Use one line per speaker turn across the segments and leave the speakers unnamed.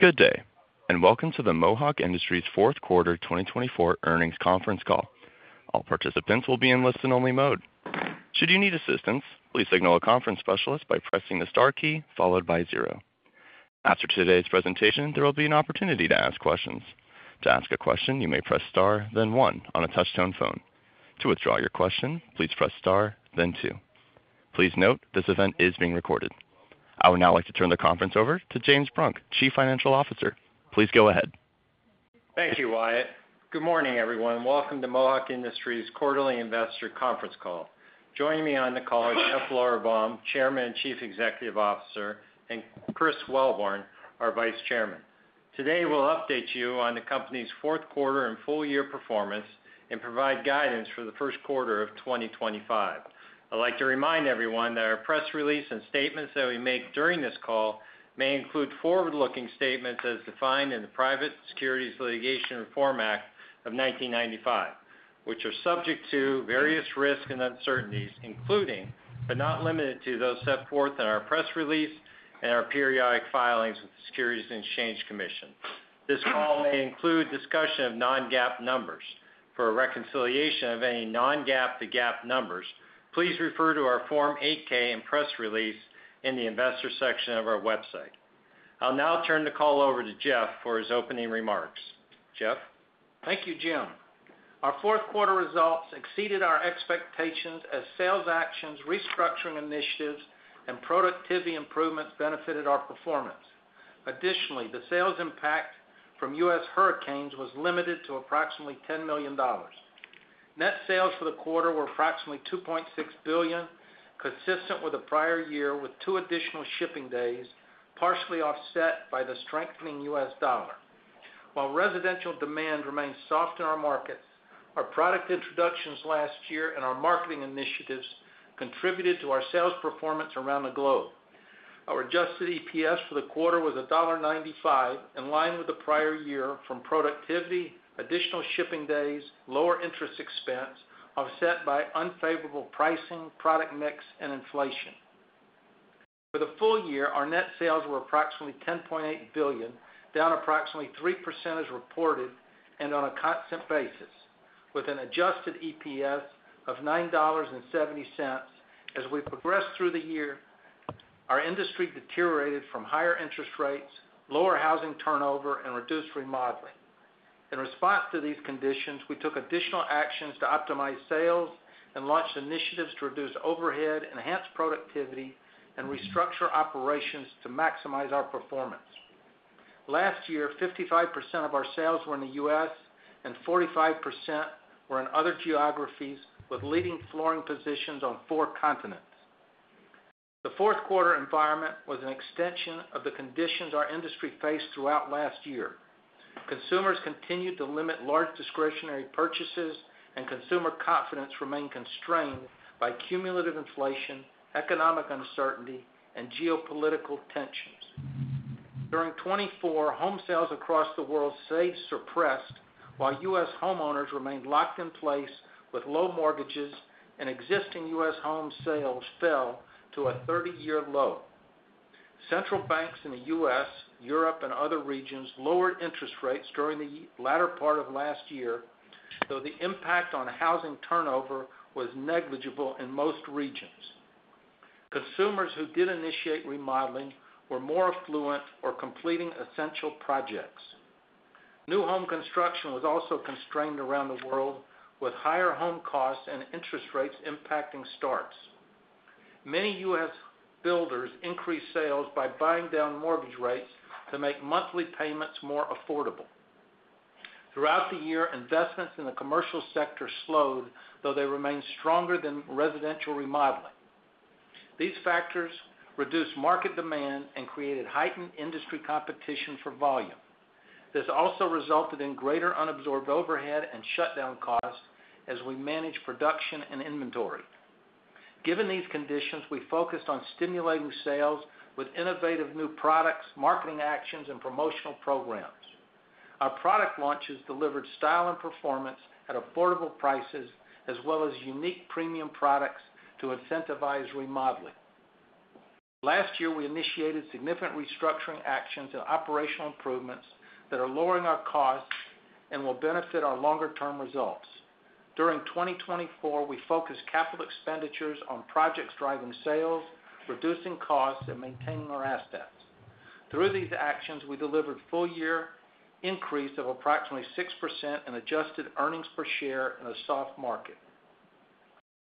Good day, and welcome to the Mohawk Industries Fourth Quarter 2024 earnings conference call. All participants will be in listen-only mode. Should you need assistance, please signal a conference specialist by pressing the star key followed by zero. After today's presentation, there will be an opportunity to ask questions. To ask a question, you may press star, then one on a touch-tone phone. To withdraw your question, please press star, then two. Please note this event is being recorded. I would now like to turn the conference over to James Brunk, Chief Financial Officer. Please go ahead.
Thank you, Wyatt. Good morning, everyone. Welcome to Mohawk Industries Quarterly Investor Conference Call. Joining me on the call are Jeff Lorberbaum, Chairman and Chief Executive Officer, and Chris Wellborn, our Vice Chairman. Today, we'll update you on the company's fourth quarter and full-year performance and provide guidance for the first quarter of 2025. I'd like to remind everyone that our press release and statements that we make during this call may include forward-looking statements as defined in the Private Securities Litigation Reform Act of 1995, which are subject to various risks and uncertainties, including, but not limited to, those set forth in our press release and our periodic filings with the Securities and Exchange Commission. This call may include discussion of non-GAAP numbers. For a reconciliation of any non-GAAP to GAAP numbers, please refer to our Form 8-K and press release in the investor section of our website. I'll now turn the call over to Jeff for his opening remarks. Jeff?
Thank you, Jim. Our fourth quarter results exceeded our expectations as sales actions, restructuring initiatives, and productivity improvements benefited our performance. Additionally, the sales impact from U.S. hurricanes was limited to approximately $10 million. Net sales for the quarter were approximately $2.6 billion, consistent with a prior year, with two additional shipping days partially offset by the strengthening U.S. dollar. While residential demand remained soft in our markets, our product introductions last year and our marketing initiatives contributed to our sales performance around the globe. Our adjusted EPS for the quarter was $1.95, in line with the prior year from productivity, additional shipping days, and lower interest expense, offset by unfavorable pricing, product mix, and inflation. For the full year, our net sales were approximately $10.8 billion, down approximately 3% as reported and on a constant basis, with an adjusted EPS of $9.70. As we progressed through the year, our industry deteriorated from higher interest rates, lower housing turnover, and reduced remodeling. In response to these conditions, we took additional actions to optimize sales and launched initiatives to reduce overhead, enhance productivity, and restructure operations to maximize our performance. Last year, 55% of our sales were in the U.S. and 45% were in other geographies, with leading flooring positions on four continents. The fourth quarter environment was an extension of the conditions our industry faced throughout last year. Consumers continued to limit large discretionary purchases, and consumer confidence remained constrained by cumulative inflation, economic uncertainty, and geopolitical tensions. During 2024, home sales across the world stayed suppressed, while U.S. homeowners remained locked in place with low mortgages, and existing U.S. home sales fell to a 30-year low. Central banks in the U.S., Europe, and other regions lowered interest rates during the latter part of last year, though the impact on housing turnover was negligible in most regions. Consumers who did initiate remodeling were more affluent or completing essential projects. New home construction was also constrained around the world, with higher home costs and interest rates impacting starts. Many U.S. builders increased sales by buying down mortgage rates to make monthly payments more affordable. Throughout the year, investments in the commercial sector slowed, though they remained stronger than residential remodeling. These factors reduced market demand and created heightened industry competition for volume. This also resulted in greater unabsorbed overhead and shutdown costs as we managed production and inventory. Given these conditions, we focused on stimulating sales with innovative new products, marketing actions, and promotional programs. Our product launches delivered style and performance at affordable prices, as well as unique premium products to incentivize remodeling. Last year, we initiated significant restructuring actions and operational improvements that are lowering our costs and will benefit our longer-term results. During 2024, we focused capital expenditures on projects driving sales, reducing costs, and maintaining our assets. Through these actions, we delivered full-year increases of approximately 6% in adjusted earnings per share in a soft market.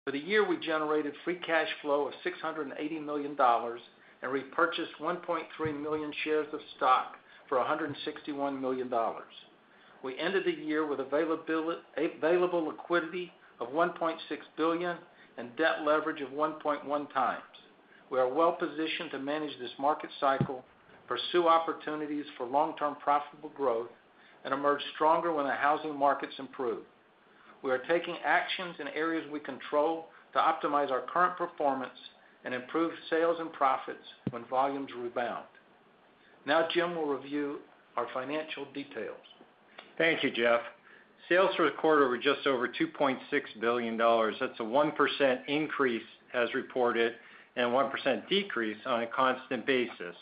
For the year, we generated free cash flow of $680 million and repurchased 1.3 million shares of stock for $161 million. We ended the year with available liquidity of $1.6 billion and debt leverage of 1.1 times. We are well-positioned to manage this market cycle, pursue opportunities for long-term profitable growth, and emerge stronger when the housing markets improve. We are taking actions in areas we control to optimize our current performance and improve sales and profits when volumes rebound. Now, Jim will review our financial details.
Thank you, Jeff. Sales for the quarter were just over $2.6 billion. That's a 1% increase, as reported, and a 1% decrease on a constant basis.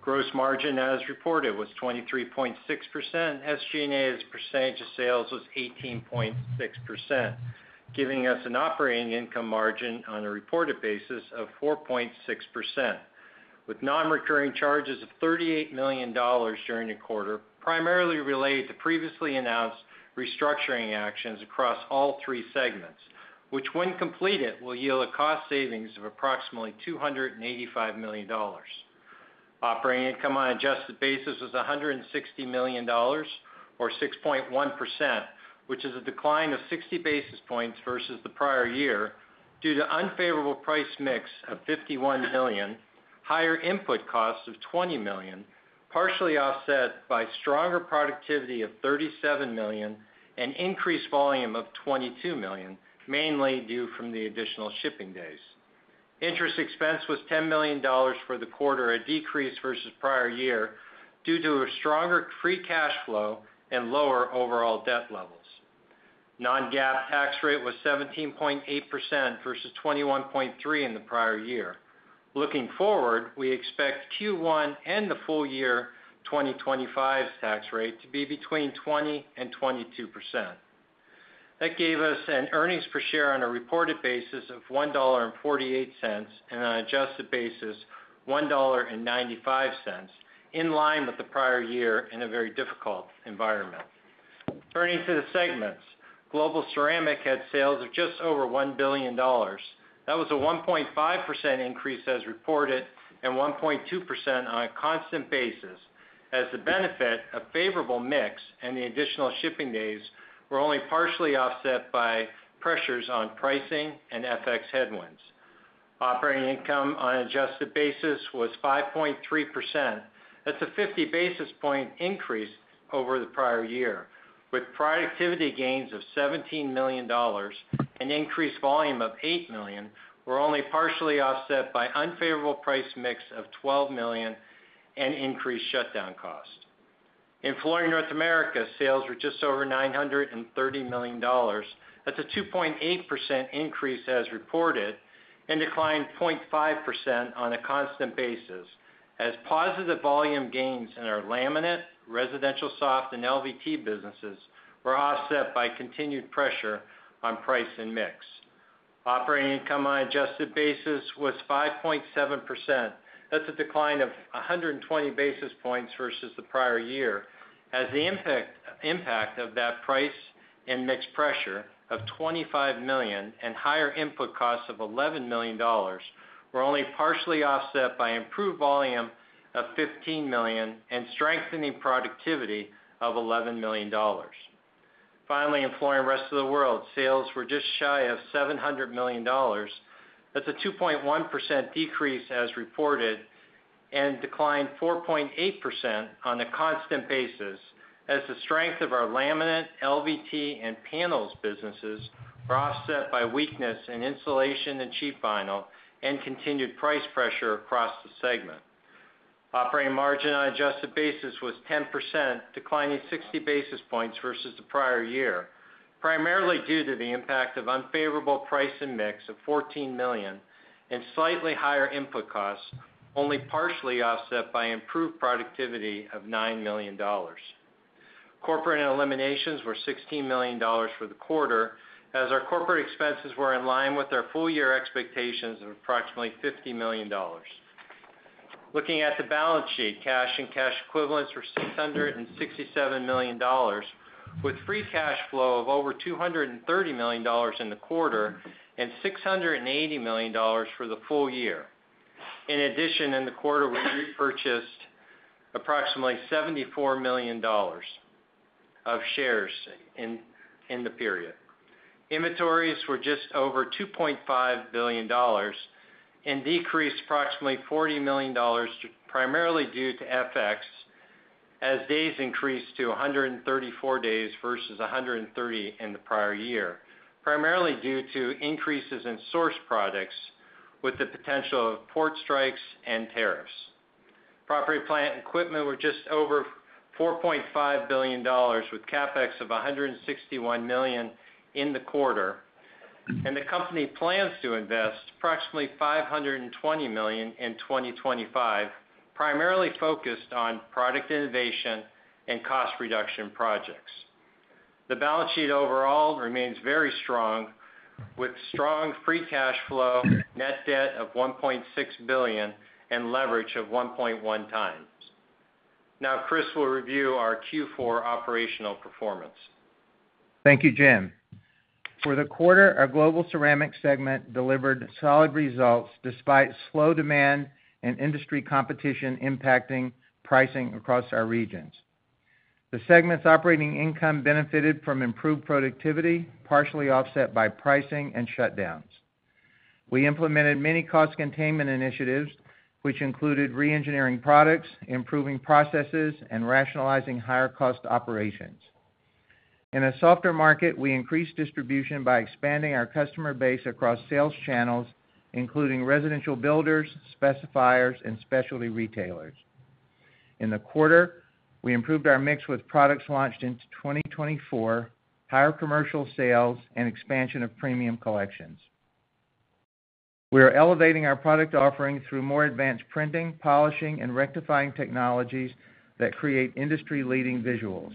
Gross margin, as reported, was 23.6%. SG&A's percentage of sales was 18.6%, giving us an operating income margin on a reported basis of 4.6%, with non-recurring charges of $38 million during the quarter, primarily related to previously announced restructuring actions across all three segments, which, when completed, will yield a cost savings of approximately $285 million. Operating income on an adjusted basis was $160 million, or 6.1%, which is a decline of 60 basis points versus the prior year due to an unfavorable price mix of $51 million, higher input costs of $20 million, partially offset by stronger productivity of $37 million, and increased volume of $22 million, mainly due from the additional shipping days. Interest expense was $10 million for the quarter, a decrease versus the prior year due to a stronger free cash flow and lower overall debt levels. Non-GAAP tax rate was 17.8% versus 21.3% in the prior year. Looking forward, we expect Q1 and the full year 2025's tax rate to be between 20% and 22%. That gave us an earnings per share on a reported basis of $1.48 and, on an adjusted basis, $1.95, in line with the prior year in a very difficult environment. Turning to the segments, Global Ceramic had sales of just over $1 billion. That was a 1.5% increase, as reported, and 1.2% on a constant basis, as the benefit of a favorable mix and the additional shipping days were only partially offset by pressures on pricing and FX headwinds. Operating income on an adjusted basis was 5.3%. That's a 50 basis point increase over the prior year. With productivity gains of $17 million and an increased volume of $8 million, we're only partially offset by an unfavorable price mix of $12 million and increased shutdown costs. In Flooring North America, sales were just over $930 million. That's a 2.8% increase, as reported, and a decline of 0.5% on a constant basis, as positive volume gains in our laminate, residential soft, and LVT businesses were offset by continued pressure on price and mix. Operating income on an adjusted basis was 5.7%. That's a decline of 120 basis points versus the prior year, as the impact of that price and mix pressure of $25 million and higher input costs of $11 million were only partially offset by an improved volume of $15 million and strengthening productivity of $11 million. Finally, in Flooring Rest of the World, sales were just shy of $700 million. That's a 2.1% decrease, as reported, and a decline of 4.8% on a constant basis, as the strength of our laminate, LVT, and panels businesses were offset by weakness in insulation and sheet vinyl and continued price pressure across the segment. Operating margin on an adjusted basis was 10%, declining 60 basis points versus the prior year, primarily due to the impact of an unfavorable price and mix of $14 million and slightly higher input costs, only partially offset by improved productivity of $9 million. Corporate eliminations were $16 million for the quarter, as our corporate expenses were in line with our full-year expectations of approximately $50 million. Looking at the balance sheet, cash and cash equivalents were $667 million, with free cash flow of over $230 million in the quarter and $680 million for the full year. In addition, in the quarter, we repurchased approximately $74 million of shares in the period. Inventories were just over $2.5 billion and decreased approximately $40 million, primarily due to FX, as days increased to 134 days versus 130 in the prior year, primarily due to increases in source products with the potential of port strikes and tariffs. Property, plant, and equipment were just over $4.5 billion, with CapEx of $161 million in the quarter, and the company plans to invest approximately $520 million in 2025, primarily focused on product innovation and cost reduction projects. The balance sheet overall remains very strong, with strong free cash flow, net debt of $1.6 billion, and leverage of 1.1 times. Now, Chris will review our Q4 operational performance.
Thank you, Jim. For the quarter, our Global Ceramic segment delivered solid results despite slow demand and industry competition impacting pricing across our regions. The segment's operating income benefited from improved productivity, partially offset by pricing and shutdowns. We implemented many cost containment initiatives, which included re-engineering products, improving processes, and rationalizing higher-cost operations. In a softer market, we increased distribution by expanding our customer base across sales channels, including residential builders, specifiers, and specialty retailers. In the quarter, we improved our mix with products launched in 2024, higher commercial sales, and expansion of premium collections. We are elevating our product offering through more advanced printing, polishing, and rectifying technologies that create industry-leading visuals.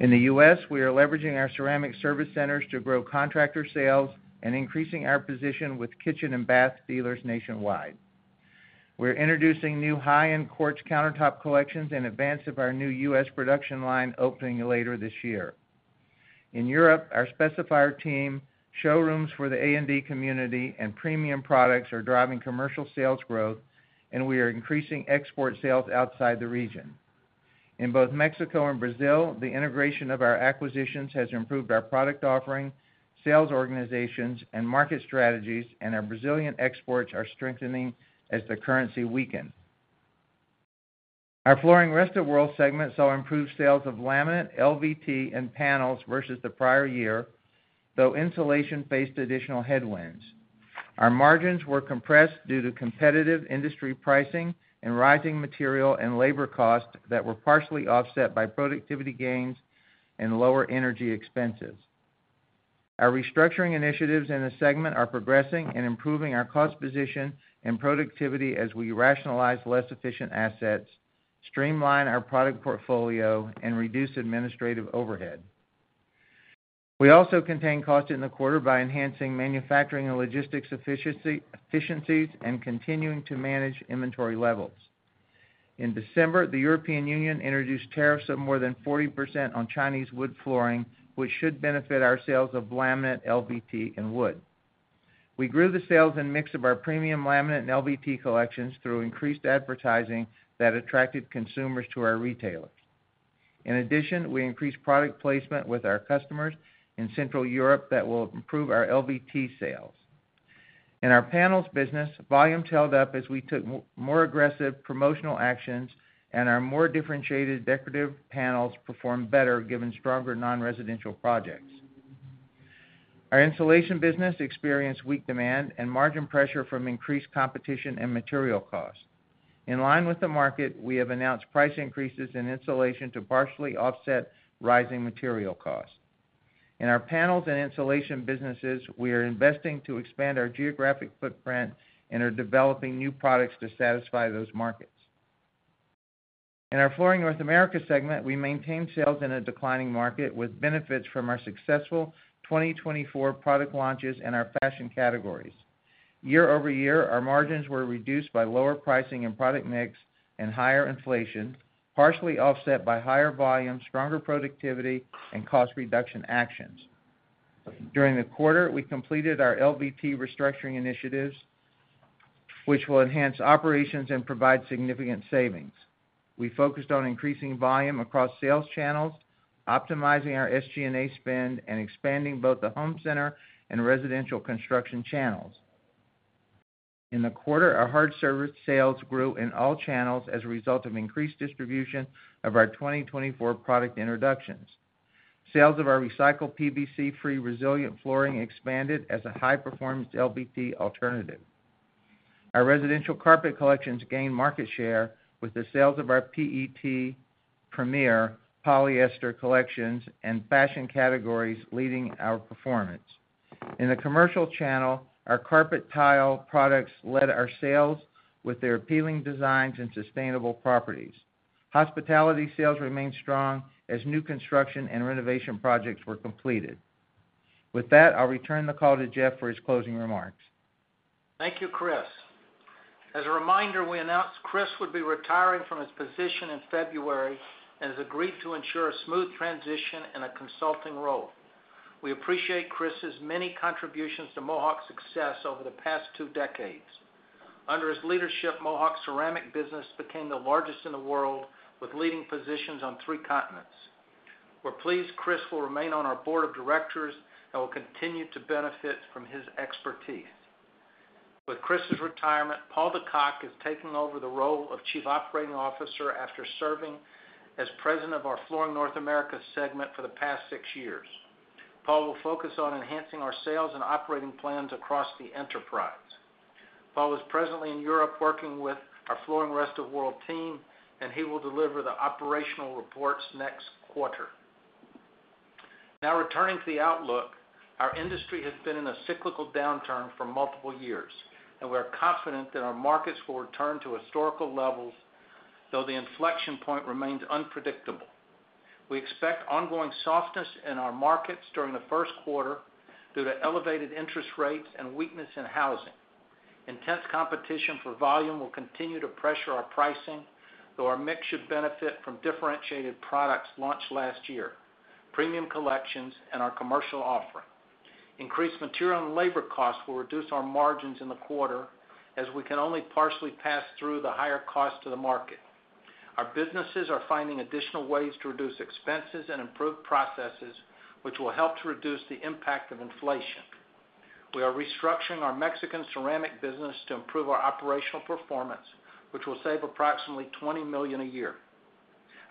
In the U.S., we are leveraging our ceramic service centers to grow contractor sales and increasing our position with kitchen and bath dealers nationwide. We're introducing new high-end quartz countertop collections in advance of our new U.S. production line opening later this year. In Europe, our specifier team, showrooms for the A&D community, and premium products are driving commercial sales growth, and we are increasing export sales outside the region. In both Mexico and Brazil, the integration of our acquisitions has improved our product offering, sales organizations, and market strategies, and our Brazilian exports are strengthening as the currency weakens. Our Flooring Rest of the World segment saw improved sales of laminate, LVT, and panels versus the prior year, though insulation faced additional headwinds. Our margins were compressed due to competitive industry pricing and rising material and labor costs that were partially offset by productivity gains and lower energy expenses. Our restructuring initiatives in the segment are progressing and improving our cost position and productivity as we rationalize less efficient assets, streamline our product portfolio, and reduce administrative overhead. We also contained costs in the quarter by enhancing manufacturing and logistics efficiencies and continuing to manage inventory levels. In December, the European Union introduced tariffs of more than 40% on Chinese wood flooring, which should benefit our sales of laminate, LVT, and wood. We grew the sales and mix of our premium laminate and LVT collections through increased advertising that attracted consumers to our retailers. In addition, we increased product placement with our customers in Central Europe that will improve our LVT sales. In our panels business, volumes held up as we took more aggressive promotional actions, and our more differentiated decorative panels performed better given stronger non-residential projects. Our insulation business experienced weak demand and margin pressure from increased competition and material costs. In line with the market, we have announced price increases in insulation to partially offset rising material costs. In our panels and insulation businesses, we are investing to expand our geographic footprint and are developing new products to satisfy those markets. In our Flooring North America segment, we maintained sales in a declining market with benefits from our successful 2024 product launches and our fashion categories. Year over year, our margins were reduced by lower pricing and product mix and higher inflation, partially offset by higher volume, stronger productivity, and cost reduction actions. During the quarter, we completed our LVT restructuring initiatives, which will enhance operations and provide significant savings. We focused on increasing volume across sales channels, optimizing our SG&A spend, and expanding both the home center and residential construction channels. In the quarter, our hard surface sales grew in all channels as a result of increased distribution of our 2024 product introductions. Sales of our recycled PVC-free resilient flooring expanded as a high-performance LVT alternative. Our residential carpet collections gained market share with the sales of our PET Premier polyester collections and fashion categories leading our performance. In the commercial channel, our carpet tile products led our sales with their appealing designs and sustainable properties. Hospitality sales remained strong as new construction and renovation projects were completed. With that, I'll return the call to Jeff for his closing remarks.
Thank you, Chris. As a reminder, we announced Chris would be retiring from his position in February and has agreed to ensure a smooth transition in a consulting role. We appreciate Chris's many contributions to Mohawk's success over the past two decades. Under his leadership, Mohawk Ceramic business became the largest in the world, with leading positions on three continents. We're pleased Chris will remain on our board of directors and will continue to benefit from his expertise. With Chris's retirement, Paul De Cock is taking over the role of Chief Operating Officer after serving as president of our Flooring North America segment for the past six years. Paul will focus on enhancing our sales and operating plans across the enterprise. Paul is presently in Europe working with our Flooring Rest of the World team, and he will deliver the operational reports next quarter. Now, returning to the outlook, our industry has been in a cyclical downturn for multiple years, and we are confident that our markets will return to historical levels, though the inflection point remains unpredictable. We expect ongoing softness in our markets during the first quarter due to elevated interest rates and weakness in housing. Intense competition for volume will continue to pressure our pricing, though our mix should benefit from differentiated products launched last year, premium collections, and our commercial offering. Increased material and labor costs will reduce our margins in the quarter, as we can only partially pass through the higher cost to the market. Our businesses are finding additional ways to reduce expenses and improve processes, which will help to reduce the impact of inflation. We are restructuring our Mexican ceramic business to improve our operational performance, which will save approximately $20 million a year.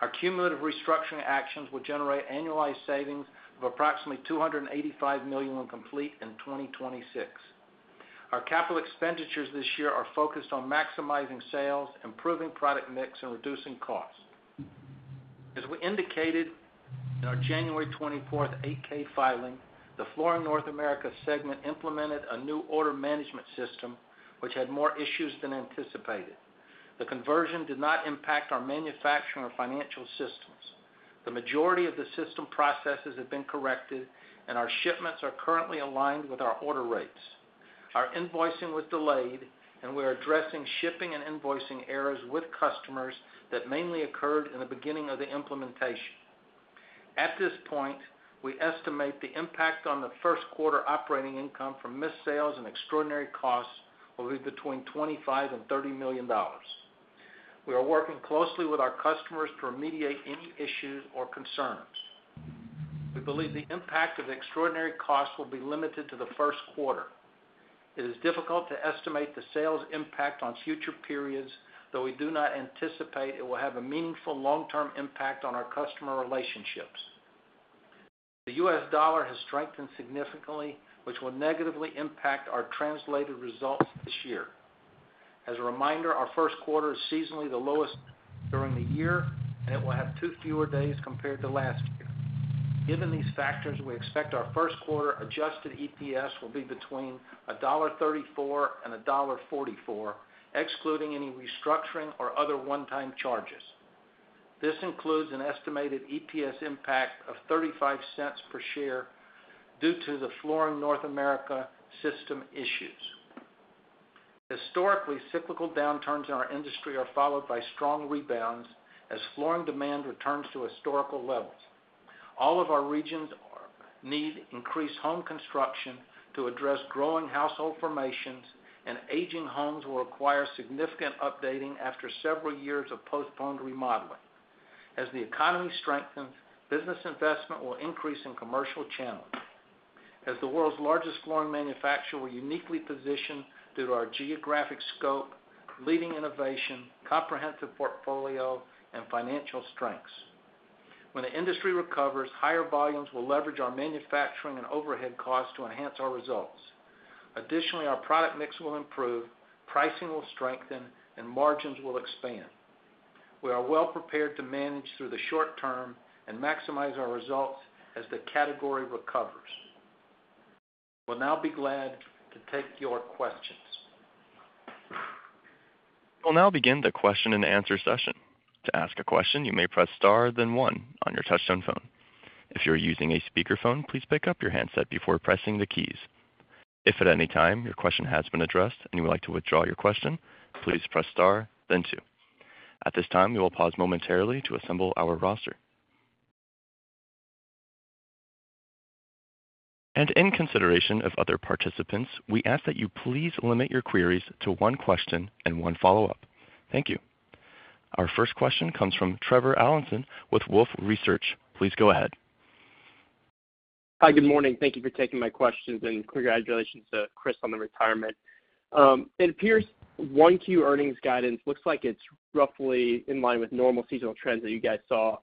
Our cumulative restructuring actions will generate annualized savings of approximately $285 million when complete in 2026. Our capital expenditures this year are focused on maximizing sales, improving product mix, and reducing costs. As we indicated in our January 24th 8-K filing, the Flooring North America segment implemented a new order management system, which had more issues than anticipated. The conversion did not impact our manufacturing or financial systems. The majority of the system processes have been corrected, and our shipments are currently aligned with our order rates. Our invoicing was delayed, and we are addressing shipping and invoicing errors with customers that mainly occurred in the beginning of the implementation. At this point, we estimate the impact on the first quarter operating income from missed sales and extraordinary costs will be between $25 and $30 million. We are working closely with our customers to remediate any issues or concerns. We believe the impact of extraordinary costs will be limited to the first quarter. It is difficult to estimate the sales impact on future periods, though we do not anticipate it will have a meaningful long-term impact on our customer relationships. The U.S. dollar has strengthened significantly, which will negatively impact our translated results this year. As a reminder, our first quarter is seasonally the lowest during the year, and it will have two fewer days compared to last year. Given these factors, we expect our first quarter adjusted EPS will be between $1.34 and $1.44, excluding any restructuring or other one-time charges. This includes an estimated EPS impact of $0.35 per share due to the Flooring North America system issues. Historically, cyclical downturns in our industry are followed by strong rebounds as flooring demand returns to historical levels. All of our regions need increased home construction to address growing household formations, and aging homes will require significant updating after several years of postponed remodeling. As the economy strengthens, business investment will increase in commercial channels. As the world's largest flooring manufacturer, we're uniquely positioned due to our geographic scope, leading innovation, comprehensive portfolio, and financial strengths. When the industry recovers, higher volumes will leverage our manufacturing and overhead costs to enhance our results. Additionally, our product mix will improve, pricing will strengthen, and margins will expand. We are well prepared to manage through the short term and maximize our results as the category recovers. We'll now be glad to take your questions.
We'll now begin the question and answer session. To ask a question, you may press star, then one on your touch-tone phone. If you're using a speakerphone, please pick up your handset before pressing the keys. If at any time your question has been addressed and you would like to withdraw your question, please press star, then two. At this time, we will pause momentarily to assemble our roster and in consideration of other participants, we ask that you please limit your queries to one question and one follow-up. Thank you. Our first question comes from Trevor Allinson with Wolfe Research. Please go ahead.
Hi, good morning. Thank you for taking my questions, and congratulations to Chris on the retirement. It appears 1Q earnings guidance looks like it's roughly in line with normal seasonal trends that you guys saw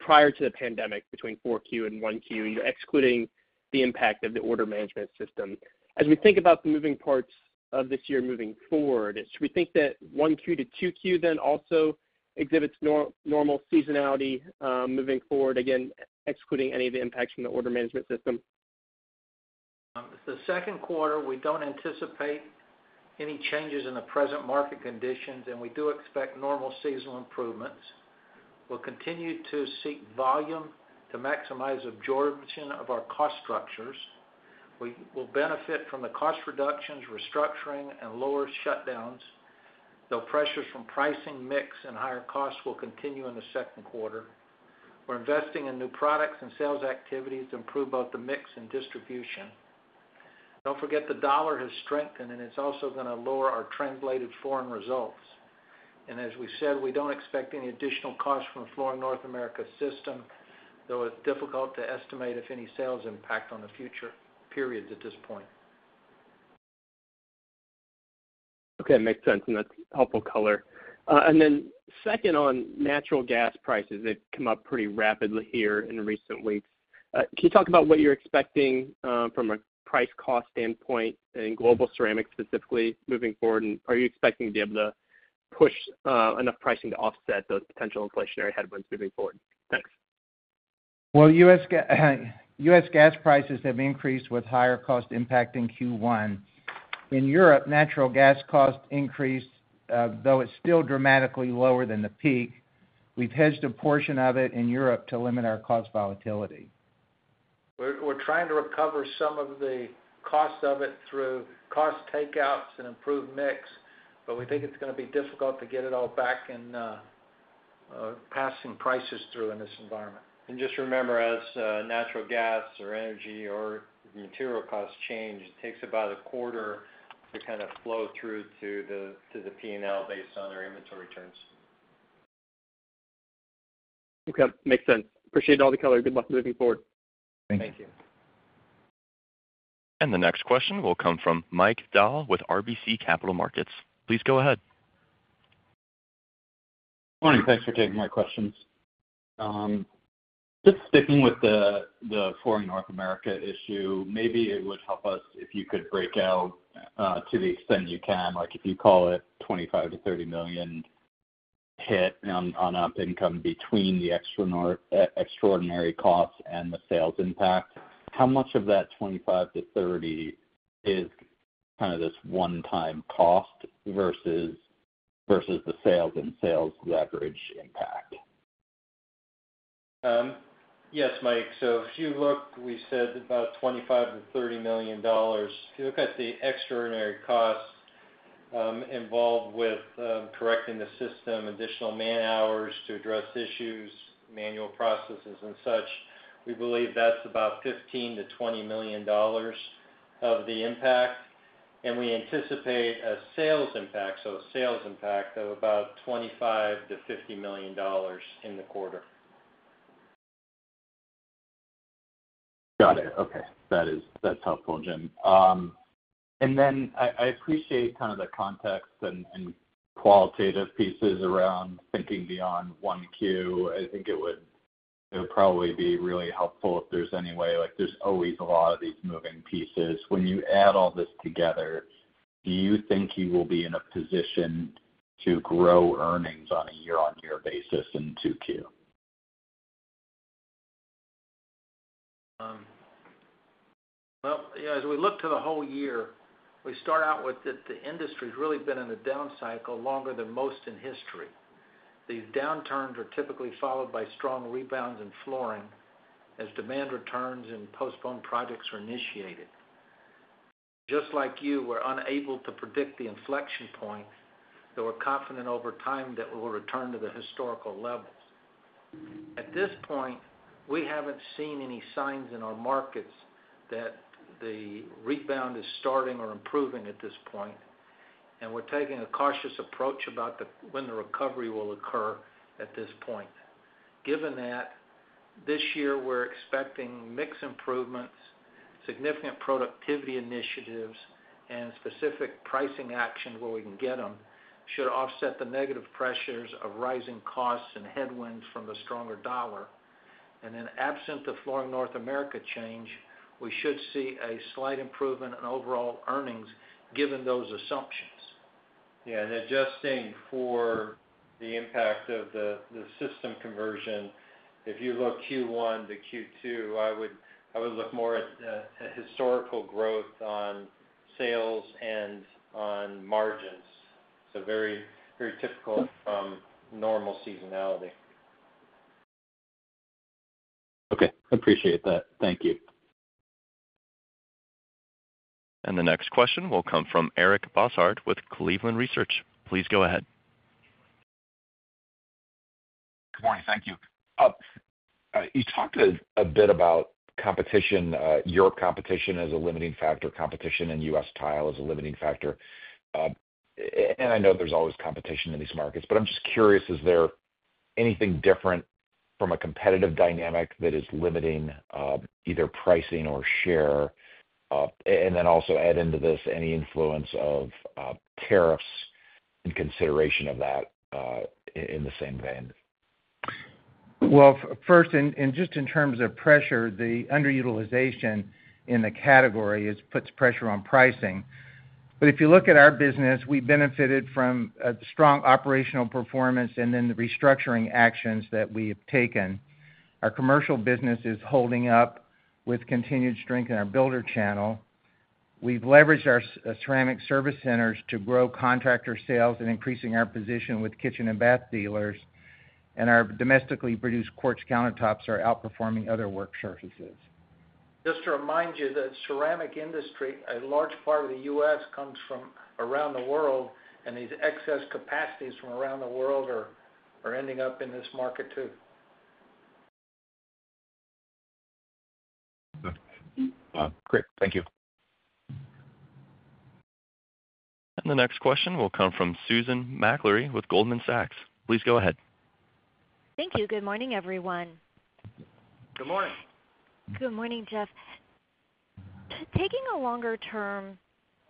prior to the pandemic between 4Q and 1Q, excluding the impact of the order management system. As we think about the moving parts of this year moving forward, should we think that 1Q to 2Q then also exhibits normal seasonality moving forward, again, excluding any of the impacts from the order management system?
The second quarter, we don't anticipate any changes in the present market conditions, and we do expect normal seasonal improvements. We'll continue to seek volume to maximize absorption of our cost structures. We will benefit from the cost reductions, restructuring, and lower shutdowns, though pressures from pricing mix and higher costs will continue in the second quarter. We're investing in new products and sales activities to improve both the mix and distribution. Don't forget the dollar has strengthened, and it's also going to lower our translated foreign results. And as we said, we don't expect any additional costs from the Flooring North America system, though it's difficult to estimate if any sales impact on the future periods at this point.
Okay, makes sense, and that's helpful color. And then second on natural gas prices, they've come up pretty rapidly here in recent weeks. Can you talk about what you're expecting from a price-cost standpoint in global ceramics specifically moving forward, and are you expecting to be able to push enough pricing to offset those potential inflationary headwinds moving forward? Thanks.
U.S. gas prices have increased with higher cost impacting Q1. In Europe, natural gas cost increased, though it's still dramatically lower than the peak. We've hedged a portion of it in Europe to limit our cost volatility.
We're trying to recover some of the cost of it through cost takeouts and improved mix, but we think it's going to be difficult to get it all back in passing prices through in this environment.
Just remember, as natural gas or energy or material costs change, it takes about a quarter to kind of flow through to the P&L based on our inventory terms.
Okay, makes sense. Appreciate all the color. Good luck moving forward.
Thank you.
And the next question will come from Mike Dahl with RBC Capital Markets. Please go ahead.
Good morning. Thanks for taking my questions. Just sticking with the Flooring North America issue, maybe it would help us if you could break out to the extent you can, like if you call it $25 million-$30 million hit on op income between the extraordinary costs and the sales impact. How much of that $25 million-$30 million is kind of this one-time cost versus the sales and sales leverage impact?
Yes, Mike. So if you look, we said about $25 million-$30 million. If you look at the extraordinary costs involved with correcting the system, additional man hours to address issues, manual processes, and such, we believe that's about $15 million-$20 million of the impact. And we anticipate a sales impact, so a sales impact of about $25 million-$50 million in the quarter.
Got it. Okay. That's helpful, Jim. And then I appreciate kind of the context and qualitative pieces around thinking beyond 1Q. I think it would probably be really helpful if there's any way there's always a lot of these moving pieces. When you add all this together, do you think you will be in a position to grow earnings on a year-on-year basis in 2Q?
As we look to the whole year, we start out with that the industry has really been in a down cycle longer than most in history. These downturns are typically followed by strong rebounds in flooring as demand returns and postponed projects are initiated. Just like you, we're unable to predict the inflection point, though we're confident over time that we will return to the historical levels. At this point, we haven't seen any signs in our markets that the rebound is starting or improving at this point, and we're taking a cautious approach about when the recovery will occur at this point. Given that, this year we're expecting mix improvements, significant productivity initiatives, and specific pricing action where we can get them should offset the negative pressures of rising costs and headwinds from the stronger dollar. In absence of Flooring North America change, we should see a slight improvement in overall earnings given those assumptions.
Yeah, and adjusting for the impact of the system conversion, if you look Q1 to Q2, I would look more at historical growth on sales and on margins. It's a very typical normal seasonality.
Okay, appreciate that. Thank you.
The next question will come from Eric Bosshard with Cleveland Research. Please go ahead.
Good morning. Thank you. You talked a bit about competition, your competition as a limiting factor, competition in U.S. tile as a limiting factor. And I know there's always competition in these markets, but I'm just curious, is there anything different from a competitive dynamic that is limiting either pricing or share? And then also add into this any influence of tariffs in consideration of that in the same vein?
Well, first, and just in terms of pressure, the underutilization in the category puts pressure on pricing. But if you look at our business, we benefited from strong operational performance and then the restructuring actions that we have taken. Our commercial business is holding up with continued strength in our builder channel. We've leveraged our ceramic service centers to grow contractor sales and increasing our position with kitchen and bath dealers. And our domestically produced quartz countertops are outperforming other work surfaces.
Just to remind you that ceramic industry, a large part of the U.S. comes from around the world, and these excess capacities from around the world are ending up in this market too.
Great. Thank you.
The next question will come from Susan Maklari with Goldman Sachs. Please go ahead.
Thank you. Good morning, everyone.
Good morning.
Good morning, Jeff. Taking a longer-term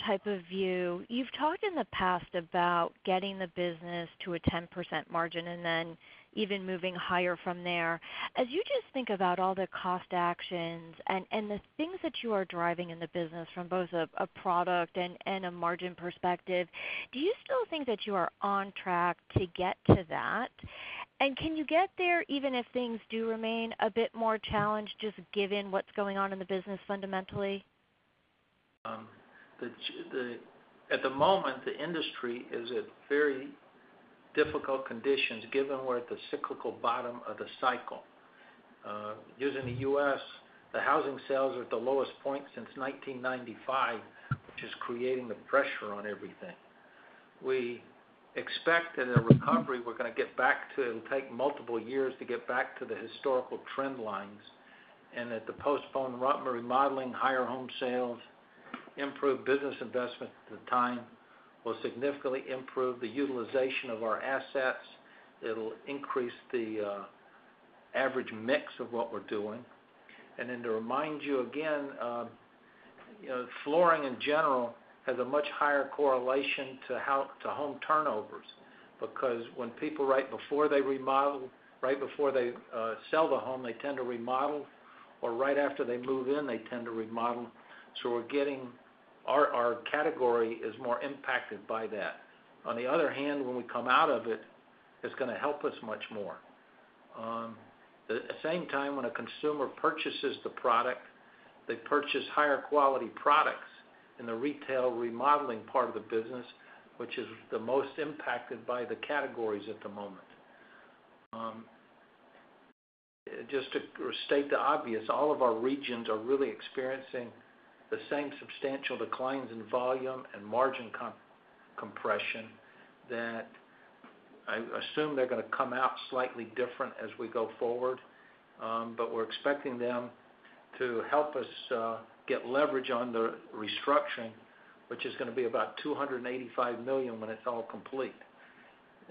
type of view, you've talked in the past about getting the business to a 10% margin and then even moving higher from there. As you just think about all the cost actions and the things that you are driving in the business from both a product and a margin perspective, do you still think that you are on track to get to that, and can you get there even if things do remain a bit more challenged just given what's going on in the business fundamentally?
At the moment, the industry is at very difficult conditions given we're at the cyclical bottom of the cycle. Using the U.S., the housing sales are at the lowest point since 1995, which is creating the pressure on everything. We expect that in recovery, we're going to get back to it. It will take multiple years to get back to the historical trend lines, and that the postponed remodeling, higher home sales, improved business investment at the time will significantly improve the utilization of our assets. It'll increase the average mix of what we're doing. And then to remind you again, flooring in general has a much higher correlation to home turnovers because when people, right before they remodel, right before they sell the home, they tend to remodel, or right after they move in, they tend to remodel. So our category is more impacted by that. On the other hand, when we come out of it, it's going to help us much more. At the same time, when a consumer purchases the product, they purchase higher quality products in the retail remodeling part of the business, which is the most impacted by the categories at the moment. Just to state the obvious, all of our regions are really experiencing the same substantial declines in volume and margin compression that I assume they're going to come out slightly different as we go forward, but we're expecting them to help us get leverage on the restructuring, which is going to be about $285 million when it's all complete.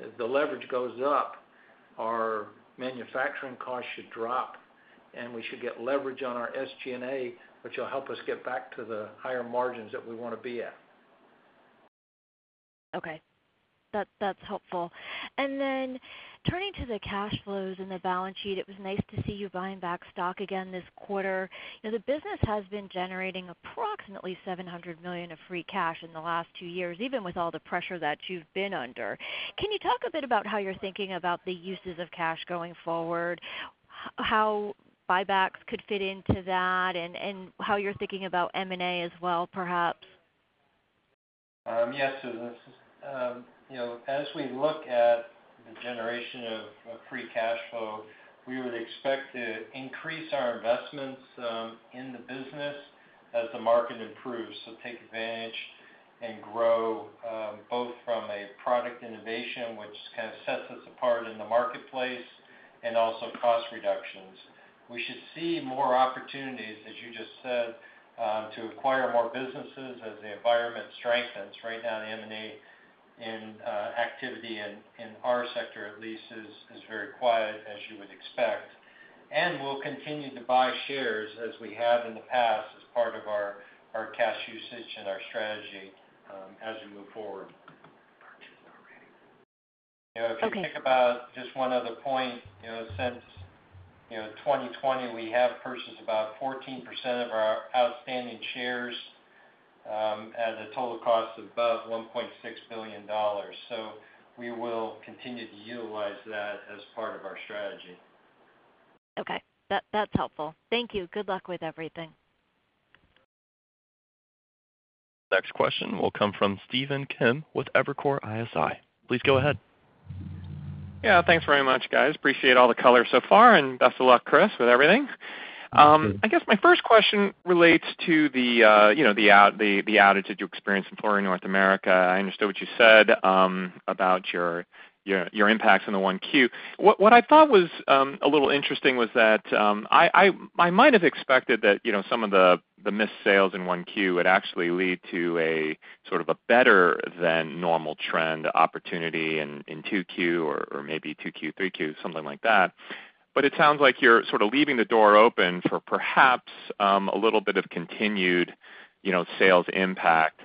As the leverage goes up, our manufacturing costs should drop, and we should get leverage on our SG&A, which will help us get back to the higher margins that we want to be at.
Okay. That's helpful. And then turning to the cash flows and the balance sheet, it was nice to see you buying back stock again this quarter. The business has been generating approximately $700 million of free cash in the last two years, even with all the pressure that you've been under. Can you talk a bit about how you're thinking about the uses of cash going forward, how buybacks could fit into that, and how you're thinking about M&A as well, perhaps?
Yes, Susan. As we look at the generation of free cash flow, we would expect to increase our investments in the business as the market improves, so take advantage and grow both from a product innovation, which kind of sets us apart in the marketplace, and also cost reductions. We should see more opportunities, as you just said, to acquire more businesses as the environment strengthens. Right now, the M&A activity in our sector, at least, is very quiet, as you would expect, and we'll continue to buy shares as we have in the past as part of our cash usage and our strategy as we move forward. If you think about just one other point, since 2020, we have purchased about 14% of our outstanding shares at a total cost of about $1.6 billion, so we will continue to utilize that as part of our strategy.
Okay. That's helpful. Thank you. Good luck with everything.
Next question will come from Stephen Kim with Evercore ISI. Please go ahead.
Yeah, thanks very much, guys. Appreciate all the color so far, and best of luck, Chris, with everything. I guess my first question relates to the outage that you experienced in Flooring North America. I understood what you said about your impacts in the 1Q. What I thought was a little interesting was that I might have expected that some of the missed sales in 1Q would actually lead to a sort of a better-than-normal trend opportunity in 2Q or maybe 2Q, 3Q, something like that. But it sounds like you're sort of leaving the door open for perhaps a little bit of continued sales impact.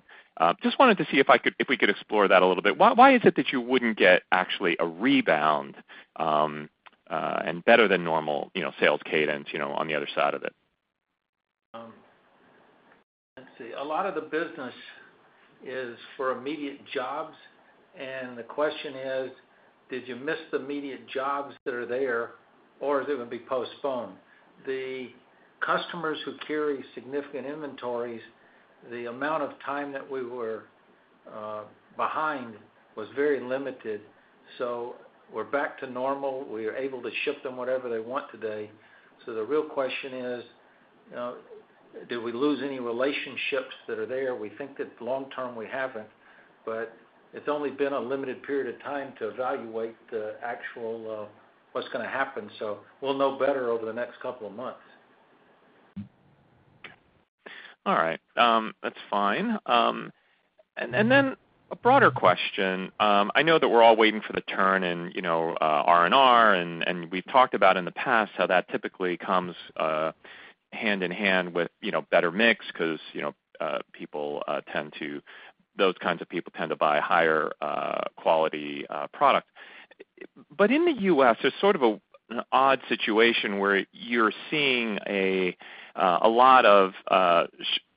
Just wanted to see if we could explore that a little bit. Why is it that you wouldn't get actually a rebound and better-than-normal sales cadence on the other side of it?
Let's see. A lot of the business is for immediate jobs, and the question is, did you miss the immediate jobs that are there, or is it going to be postponed? The customers who carry significant inventories, the amount of time that we were behind was very limited. So we're back to normal. We are able to ship them whatever they want today. So the real question is, did we lose any relationships that are there? We think that long-term we haven't, but it's only been a limited period of time to evaluate what's going to happen. So we'll know better over the next couple of months.
All right. That's fine. And then a broader question. I know that we're all waiting for the turn in R&R, and we've talked about in the past how that typically comes hand in hand with better mix because those kinds of people tend to buy higher quality products. But in the U.S., there's sort of an odd situation where you're seeing a lot of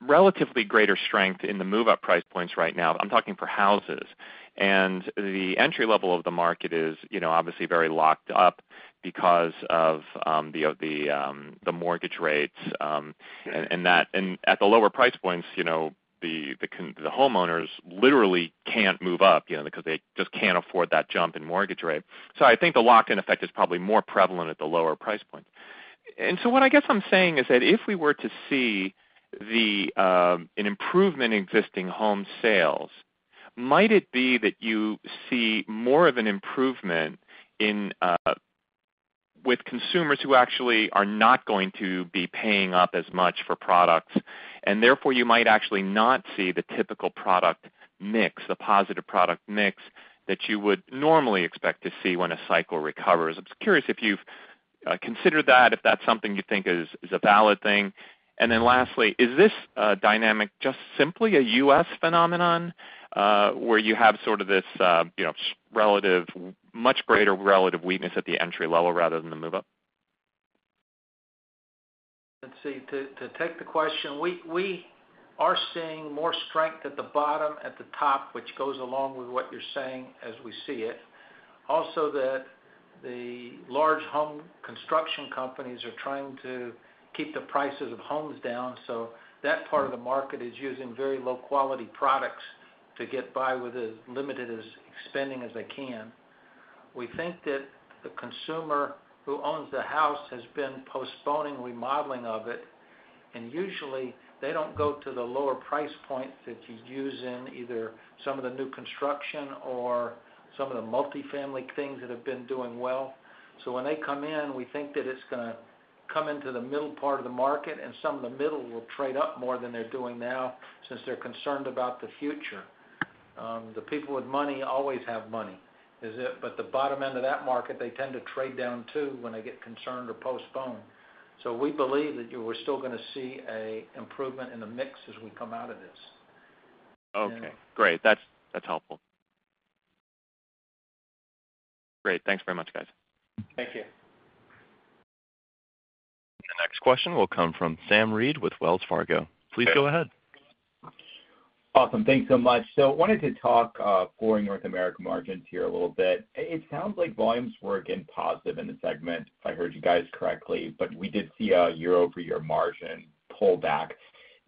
relatively greater strength in the move-up price points right now. I'm talking about houses. And the entry level of the market is obviously very locked up because of the mortgage rates. And at the lower price points, the homeowners literally can't move up because they just can't afford that jump in mortgage rate. So I think the lock-in effect is probably more prevalent at the lower price points. And so what I guess I'm saying is that if we were to see an improvement in existing home sales, might it be that you see more of an improvement with consumers who actually are not going to be paying up as much for products? And therefore, you might actually not see the typical product mix, the positive product mix that you would normally expect to see when a cycle recovers. I'm just curious if you've considered that, if that's something you think is a valid thing. And then lastly, is this dynamic just simply a U.S. phenomenon where you have sort of this relative, much greater relative weakness at the entry level rather than the move-up?
Let's see. To take the question, we are seeing more strength at the bottom and at the top, which goes along with what you're saying as we see it. Also, that the large home construction companies are trying to keep the prices of homes down, so that part of the market is using very low-quality products to get by with as limited spending as they can. We think that the consumer who owns the house has been postponing remodeling of it, and usually, they don't go to the lower price points that you use in either some of the new construction or some of the multifamily things that have been doing well, so when they come in, we think that it's going to come into the middle part of the market, and some of the middle will trade up more than they're doing now since they're concerned about the future. The people with money always have money. But the bottom end of that market, they tend to trade down too when they get concerned or postpone. So we believe that we're still going to see an improvement in the mix as we come out of this.
Okay. Great. That's helpful. Great. Thanks very much, guys.
Thank you.
The next question will come from Sam Reid with Wells Fargo. Please go ahead.
Awesome. Thanks so much. So I wanted to talk Flooring North America margins here a little bit. It sounds like volumes were again positive in the segment, if I heard you guys correctly, but we did see a year-over-year margin pullback.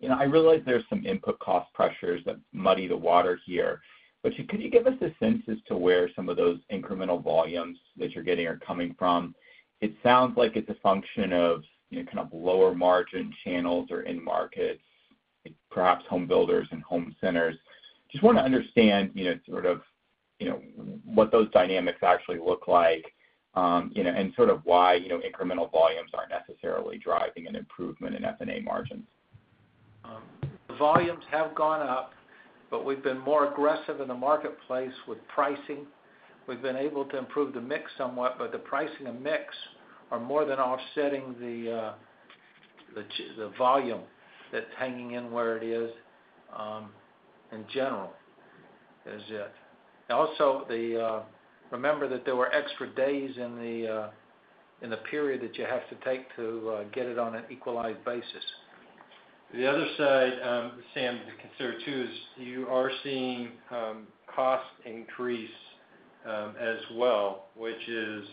I realize there's some input cost pressures that muddy the water here, but could you give us a sense as to where some of those incremental volumes that you're getting are coming from? It sounds like it's a function of kind of lower margin channels or in-markets, perhaps home builders and home centers. Just want to understand sort of what those dynamics actually look like and sort of why incremental volumes aren't necessarily driving an improvement in F&A margins.
The volumes have gone up, but we've been more aggressive in the marketplace with pricing. We've been able to improve the mix somewhat, but the pricing and mix are more than offsetting the volume that's hanging in where it is in general. That's it. Also, remember that there were extra days in the period that you have to take to get it on an equalized basis. The other side, Sam, to consider, too, is you are seeing cost increase as well, which is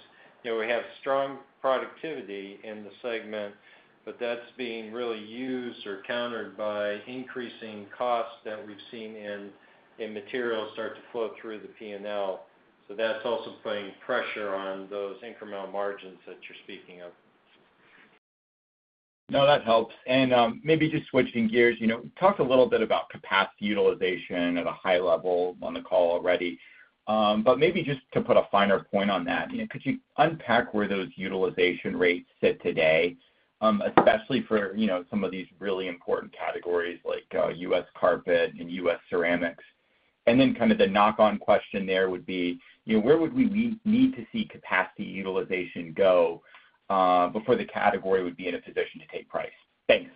we have strong productivity in the segment, but that's being really used or countered by increasing costs that we've seen in materials start to flow through the P&L. So that's also putting pressure on those incremental margins that you're speaking of.
No, that helps, and maybe just switching gears, we talked a little bit about capacity utilization at a high level on the call already, but maybe just to put a finer point on that, could you unpack where those utilization rates sit today, especially for some of these really important categories like U.S. carpet and U.S. ceramics, and then kind of the knock-on question there would be, where would we need to see capacity utilization go before the category would be in a position to take price? Thanks.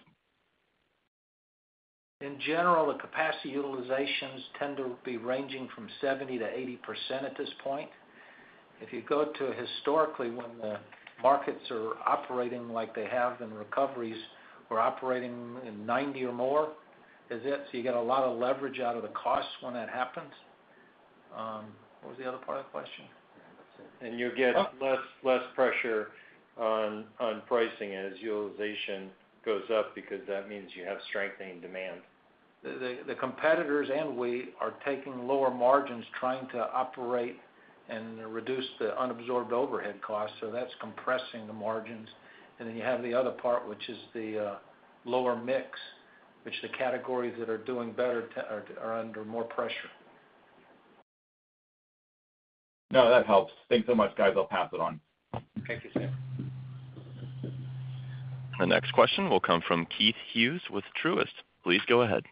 In general, the capacity utilizations tend to be ranging from 70%-80% at this point. If you go to historically when the markets are operating like they have in recoveries, we're operating in 90 or more. That's it. So you get a lot of leverage out of the costs when that happens. What was the other part of the question?
You'll get less pressure on pricing as utilization goes up because that means you have strengthening demand.
The competitors and we are taking lower margins trying to operate and reduce the unabsorbed overhead costs. So that's compressing the margins. And then you have the other part, which is the lower mix, which the categories that are doing better are under more pressure.
No, that helps. Thanks so much, guys. I'll pass it on.
Thank you, Sam.
Our next question will come from Keith Hughes with Truist. Please go ahead.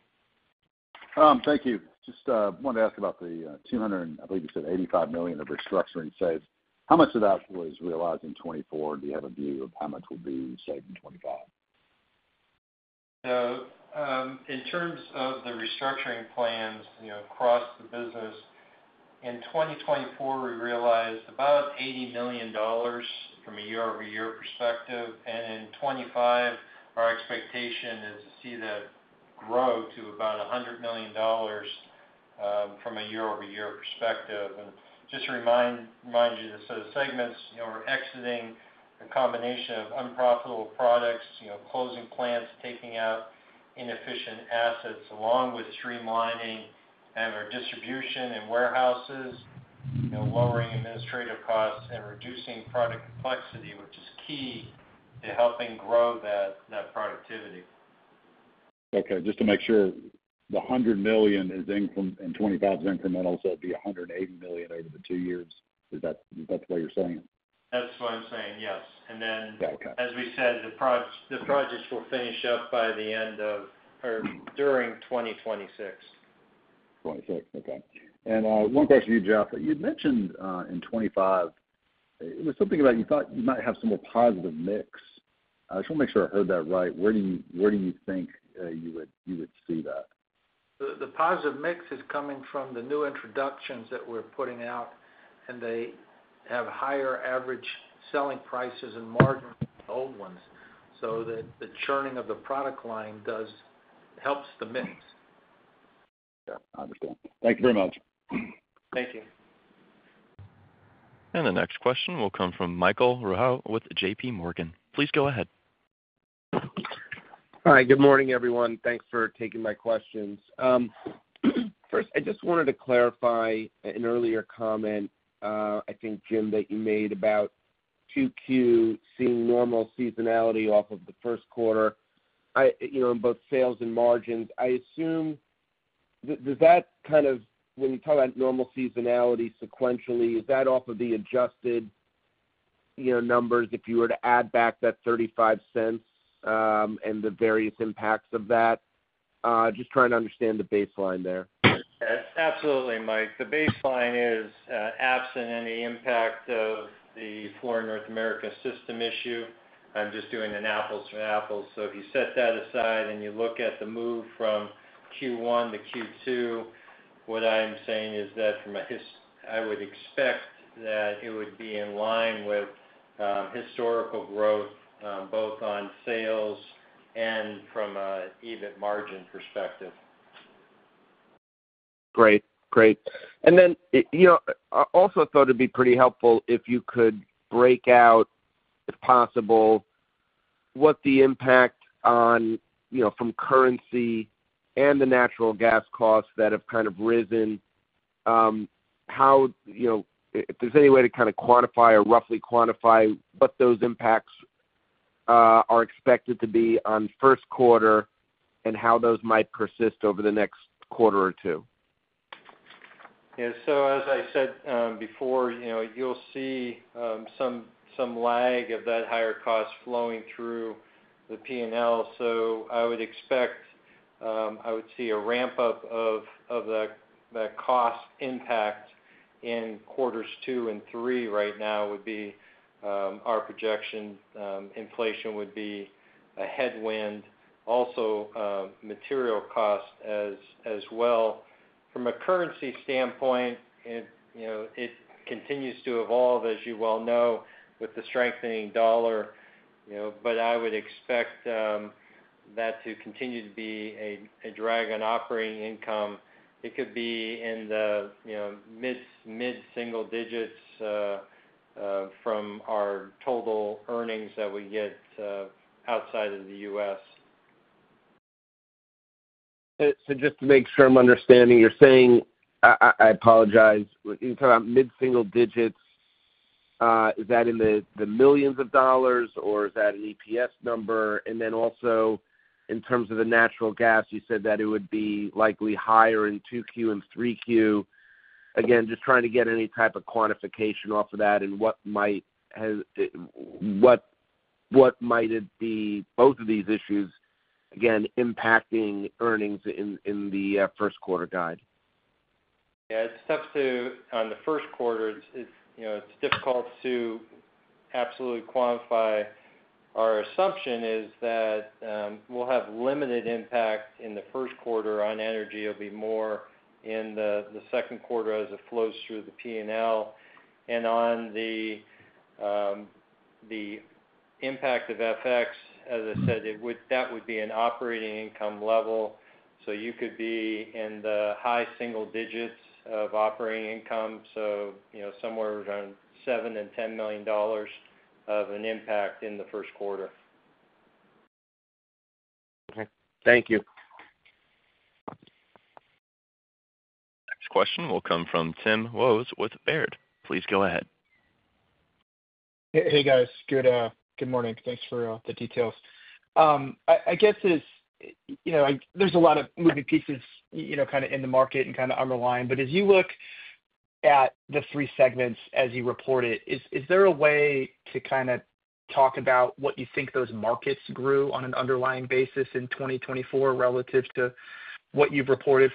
Thank you. Just wanted to ask about the $200 million and I believe you said $85 million of restructuring savings. How much of that was realized in 2024? Do you have a view of how much will be saved in 2025?
So in terms of the restructuring plans across the business, in 2024, we realized about $80 million from a year-over-year perspective. And in 2025, our expectation is to see that grow to about $100 million from a year-over-year perspective. And just to remind you, the segments are exiting a combination of unprofitable products, closing plants, taking out inefficient assets, along with streamlining our distribution and warehouses, lowering administrative costs, and reducing product complexity, which is key to helping grow that productivity.
Okay. Just to make sure, the $100 million in 2025's incremental, so it'd be $180 million over the two years. Is that the way you're saying it?
That's what I'm saying, yes, and then, as we said, the projects will finish up by the end of or during 2026.
Okay, and one question for you, Jeff. You'd mentioned in 2025, it was something about you thought you might have some more positive mix. I just want to make sure I heard that right. Where do you think you would see that?
The positive mix is coming from the new introductions that we're putting out, and they have higher average selling prices and margins than the old ones, so the churning of the product line helps the mix.
Okay. I understand. Thank you very much.
Thank you.
And the next question will come from Michael Rehaut with J.P. Morgan. Please go ahead.
All right. Good morning, everyone. Thanks for taking my questions. First, I just wanted to clarify an earlier comment, I think, Jim, that you made about 2Q seeing normal seasonality off of the first quarter in both sales and margins. I assume does that kind of when you talk about normal seasonality sequentially, is that off of the adjusted numbers if you were to add back that $0.35 and the various impacts of that? Just trying to understand the baseline there.
Absolutely, Mike. The baseline is absent any impact of the Flooring North America system issue. I'm just doing an apples to apples. So if you set that aside and you look at the move from Q1 to Q2, what I'm saying is that from a I would expect that it would be in line with historical growth, both on sales and from an EBIT margin perspective.
Great. Great. And then I also thought it'd be pretty helpful if you could break out, if possible, what the impact on from currency and the natural gas costs that have kind of risen, how if there's any way to kind of quantify or roughly quantify what those impacts are expected to be on first quarter and how those might persist over the next quarter or two?
Yeah. So as I said before, you'll see some lag of that higher cost flowing through the P&L. So I would expect I would see a ramp-up of that cost impact in quarters two and three right now would be our projection. Inflation would be a headwind. Also, material costs as well. From a currency standpoint, it continues to evolve, as you well know, with the strengthening dollar. But I would expect that to continue to be a drag on operating income. It could be in the mid-single digits from our total earnings that we get outside of the U.S.
So just to make sure I'm understanding, you're saying. I apologize. You're talking about mid-single digits. Is that in the millions of dollars, or is that an EPS number? And then also, in terms of the natural gas, you said that it would be likely higher in 2Q and 3Q. Again, just trying to get any type of quantification off of that and what might it be, both of these issues, again, impacting earnings in the first quarter guide?
Yeah. It's tough to on the first quarter. It's difficult to absolutely quantify. Our assumption is that we'll have limited impact in the first quarter on energy. It'll be more in the second quarter as it flows through the P&L. And on the impact of FX, as I said, that would be an operating income level. So you could be in the high single digits of operating income. So somewhere around $7-$10 million of an impact in the first quarter.
Okay. Thank you.
Next question will come from Tim Wojs with Baird. Please go ahead.
Hey, guys. Good morning. Thanks for the details. I guess there's a lot of moving pieces kind of in the market and kind of underlying. But as you look at the three segments as you report it, is there a way to kind of talk about what you think those markets grew on an underlying basis in 2024 relative to what you've reported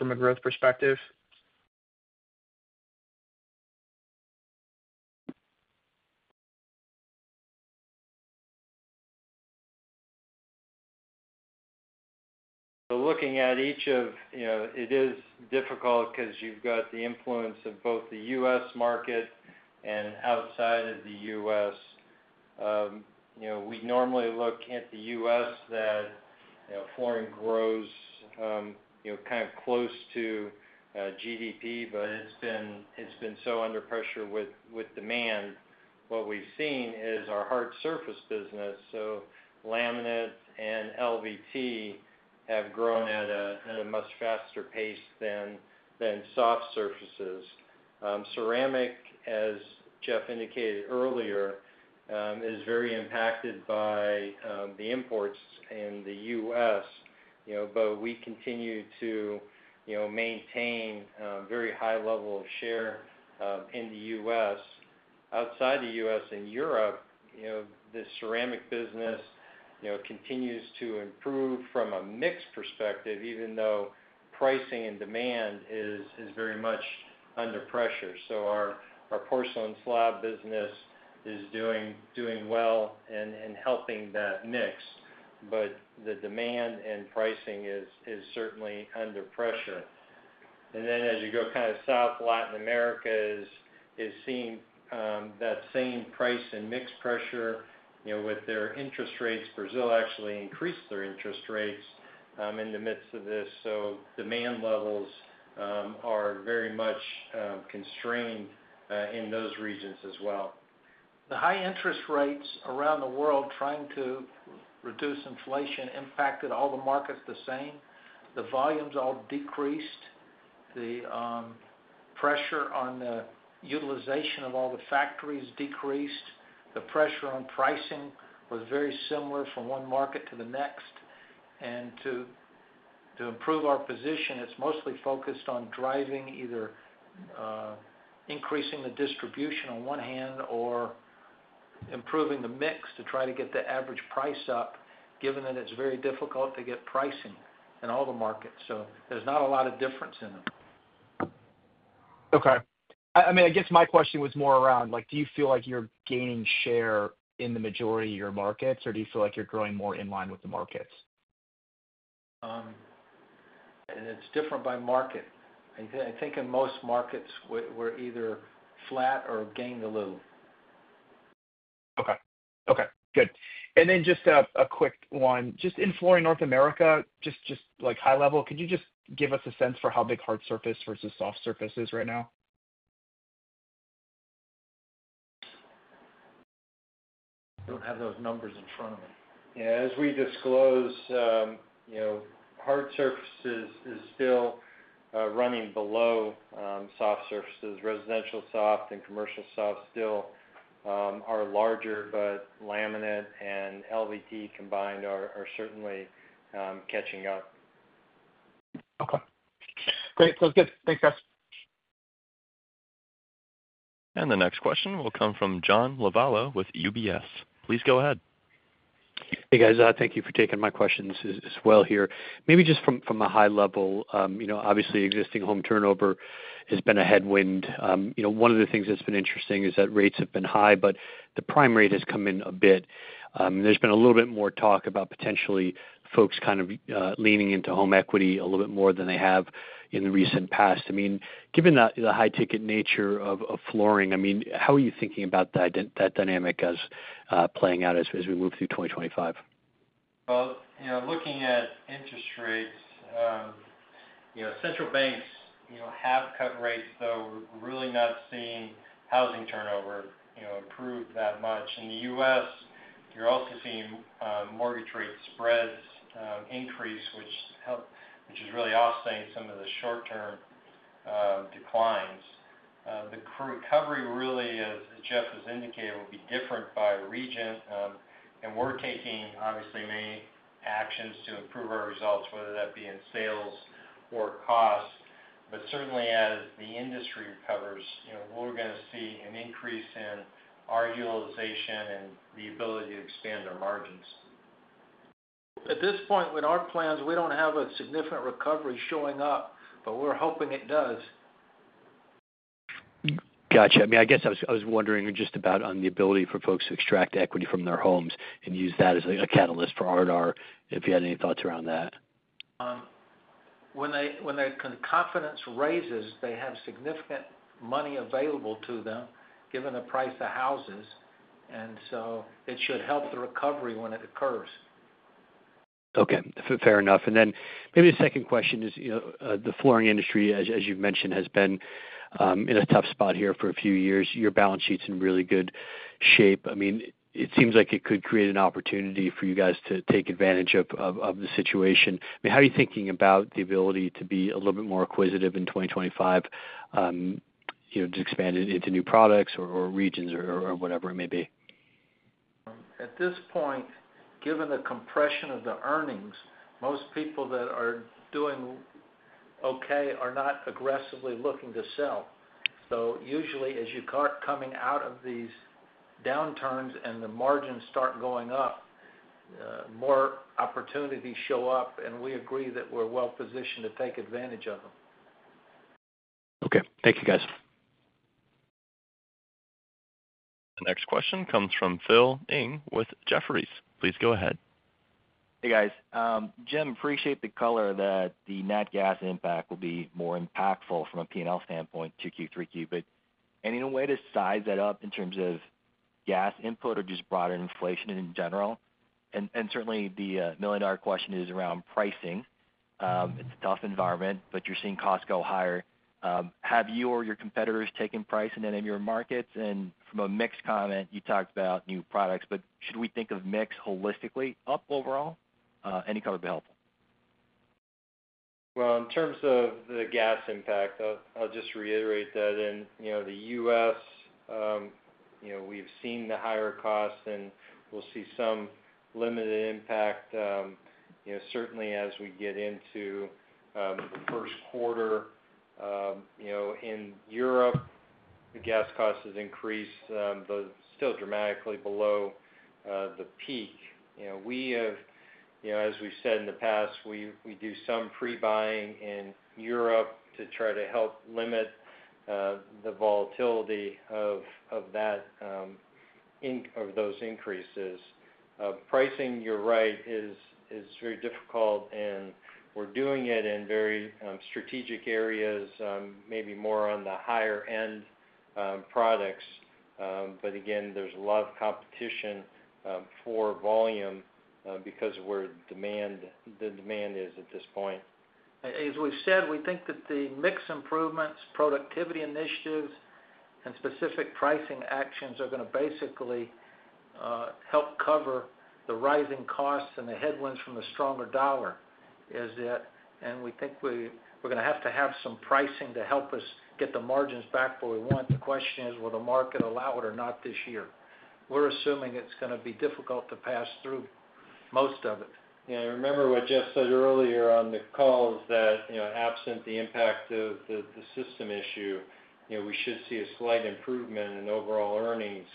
from a growth perspective?
So, looking at each of it is difficult because you've got the influence of both the U.S. market and outside of the U.S. We normally look at the U.S. that flooring grows kind of close to GDP, but it's been so under pressure with demand. What we've seen is our hard surface business. So, laminate and LVT have grown at a much faster pace than soft surfaces. Ceramic, as Jeff indicated earlier, is very impacted by the imports in the U.S., but we continue to maintain a very high level of share in the U.S. Outside the U.S. and Europe, the ceramic business continues to improve from a mix perspective, even though pricing and demand is very much under pressure. So, our porcelain slab business is doing well and helping that mix, but the demand and pricing is certainly under pressure. And then as you go kind of south, Latin America is seeing that same price and mix pressure with their interest rates. Brazil actually increased their interest rates in the midst of this. So demand levels are very much constrained in those regions as well.
The high interest rates around the world, trying to reduce inflation, impacted all the markets the same. The volumes all decreased. The pressure on the utilization of all the factories decreased. The pressure on pricing was very similar from one market to the next. And to improve our position, it's mostly focused on driving either increasing the distribution on one hand or improving the mix to try to get the average price up, given that it's very difficult to get pricing in all the markets. So there's not a lot of difference in them.
Okay. I mean, I guess my question was more around, do you feel like you're gaining share in the majority of your markets, or do you feel like you're growing more in line with the markets?
It's different by market. I think in most markets, we're either flat or gained a little.
And then just a quick one. Just in Flooring North America, just high level, could you just give us a sense for how big hard surface versus soft surfaces right now?
I don't have those numbers in front of me.
Yeah. As we disclose, hard surfaces is still running below soft surfaces. Residential soft and commercial soft still are larger, but laminate and LVT combined are certainly catching up.
Okay. Great. Sounds good. Thanks, guys.
The next question will come from John Lovallo with UBS. Please go ahead.
Hey, guys. Thank you for taking my questions as well here. Maybe just from a high level, obviously, existing home turnover has been a headwind. One of the things that's been interesting is that rates have been high, but the prime rate has come in a bit. There's been a little bit more talk about potentially folks kind of leaning into home equity a little bit more than they have in the recent past. I mean, given the high-ticket nature of flooring, I mean, how are you thinking about that dynamic as playing out as we move through 2025?
Looking at interest rates, central banks have cut rates, though we're really not seeing housing turnover improve that much. In the U.S., you're also seeing mortgage rate spreads increase, which is really offsetting some of the short-term declines. The recovery really, as Jeff has indicated, will be different by region. We're taking, obviously, many actions to improve our results, whether that be in sales or costs. Certainly, as the industry recovers, we're going to see an increase in our utilization and the ability to expand our margins. At this point, with our plans, we don't have a significant recovery showing up, but we're hoping it does.
Gotcha. I mean, I guess I was wondering just about on the ability for folks to extract equity from their homes and use that as a catalyst for R&R. If you had any thoughts around that?
When the confidence raises, they have significant money available to them given the price of houses, and so it should help the recovery when it occurs.
Okay. Fair enough. And then maybe the second question is the flooring industry, as you've mentioned, has been in a tough spot here for a few years. Your balance sheet's in really good shape. I mean, it seems like it could create an opportunity for you guys to take advantage of the situation. I mean, how are you thinking about the ability to be a little bit more acquisitive in 2025, to expand into new products or regions or whatever it may be?
At this point, given the compression of the earnings, most people that are doing okay are not aggressively looking to sell. So usually, as you start coming out of these downturns and the margins start going up, more opportunities show up. And we agree that we're well-positioned to take advantage of them.
Okay. Thank you, guys.
The next question comes from Phil Ng with Jefferies. Please go ahead.
Hey, guys. Jim, appreciate the color that the natural gas impact will be more impactful from a P&L standpoint, 2Q, 3Q. But any way to size that up in terms of gas input or just broader inflation in general? And certainly, the million-dollar question is around pricing. It's a tough environment, but you're seeing costs go higher. Have you or your competitors taken price in any of your markets? And from a mixed comment, you talked about new products, but should we think of mix holistically up overall? Any color would be helpful.
In terms of the gas impact, I'll just reiterate that in the U.S., we've seen the higher costs, and we'll see some limited impact, certainly as we get into the first quarter. In Europe, the gas cost has increased, though still dramatically below the peak. We have, as we've said in the past, we do some pre-buying in Europe to try to help limit the volatility of those increases. Pricing, you're right, is very difficult, and we're doing it in very strategic areas, maybe more on the higher-end products. But again, there's a lot of competition for volume because of where the demand is at this point.
As we've said, we think that the mix improvements, productivity initiatives, and specific pricing actions are going to basically help cover the rising costs and the headwinds from the stronger dollar. And we think we're going to have to have some pricing to help us get the margins back where we want. The question is, will the market allow it or not this year? We're assuming it's going to be difficult to pass through most of it.
Yeah. I remember what Jeff said earlier on the call is that absent the impact of the system issue, we should see a slight improvement in overall earnings.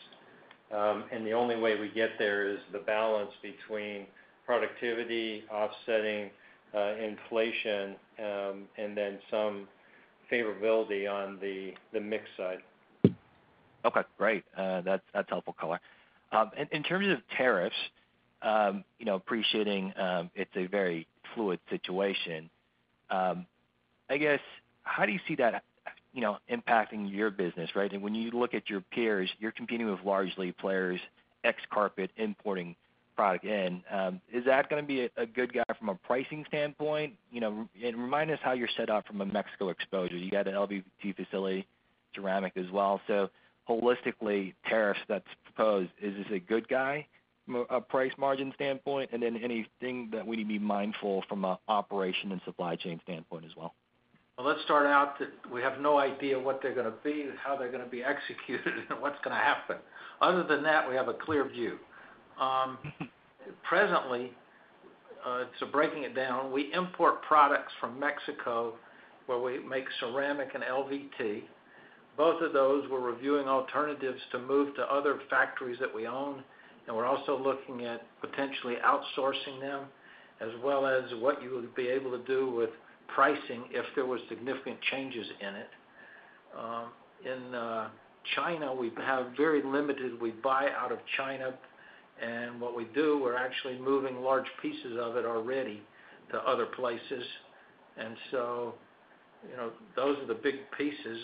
And the only way we get there is the balance between productivity offsetting inflation and then some favorability on the mix side.
Okay. Great. That's helpful color. In terms of tariffs, appreciating it's a very fluid situation. I guess, how do you see that impacting your business, right? And when you look at your peers, you're competing with large players. Asian carpet importing product in. Is that going to be a good thing from a pricing standpoint? And remind us how you're set up from a Mexico exposure. You got an LVT facility, ceramic as well. So holistically, tariffs that's proposed, is this a good thing from a price margin standpoint? And then anything that we need to be mindful from an operation and supply chain standpoint as well?
Well, let's start out that we have no idea what they're going to be, how they're going to be executed, and what's going to happen. Other than that, we have a clear view. Presently, so breaking it down, we import products from Mexico where we make ceramic and LVT. Both of those, we're reviewing alternatives to move to other factories that we own. And we're also looking at potentially outsourcing them, as well as what you would be able to do with pricing if there were significant changes in it. In China, we have very limited. We buy out of China. And what we do, we're actually moving large pieces of it already to other places. And so those are the big pieces.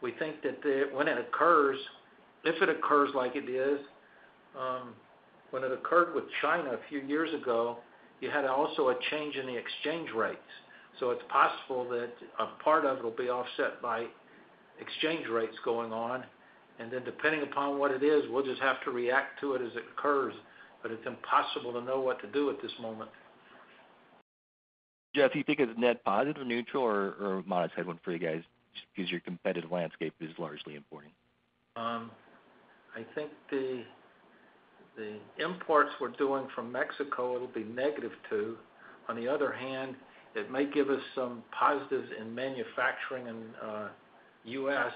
We think that when it occurs, if it occurs like it is, when it occurred with China a few years ago, you had also a change in the exchange rates. So it's possible that a part of it will be offset by exchange rates going on, and then depending upon what it is, we'll just have to react to it as it occurs, but it's impossible to know what to do at this moment.
Jeff, do you think it's net positive, neutral, or a modest headwind for you guys? Just because your competitive landscape is largely importing.
I think the imports we're doing from Mexico, it'll be negative too. On the other hand, it may give us some positives in manufacturing in the U.S.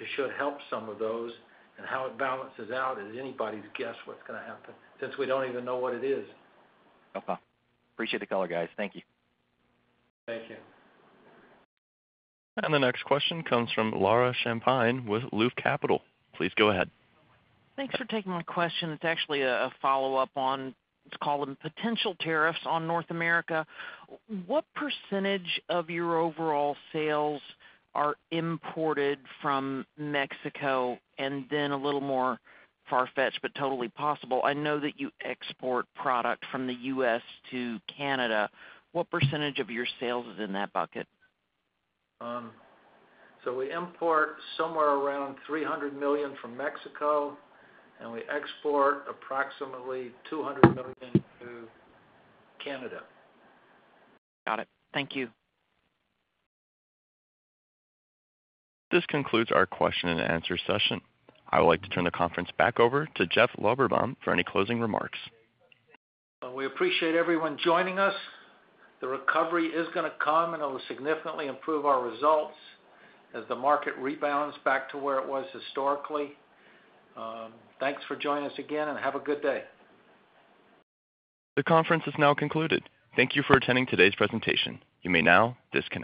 It should help some of those, and how it balances out is anybody's guess what's going to happen since we don't even know what it is.
Okay. Appreciate the color, guys. Thank you.
Thank you.
And the next question comes from Laura Champine with Loop Capital. Please go ahead.
Thanks for taking my question. It's actually a follow-up on, let's call them potential tariffs on North America. What percentage of your overall sales are imported from Mexico? And then a little more far-fetched, but totally possible. I know that you export product from the U.S. to Canada. What percentage of your sales is in that bucket?
We import somewhere around $300 million from Mexico, and we export approximately $200 million to Canada.
Got it. Thank you.
This concludes our question-and-answer session. I would like to turn the conference back over to Jeff Lorberbaum for any closing remarks.
We appreciate everyone joining us. The recovery is going to come, and it will significantly improve our results as the market rebounds back to where it was historically. Thanks for joining us again, and have a good day.
The conference is now concluded. Thank you for attending today's presentation. You may now disconnect.